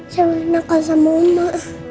saya berkenakan sama ibu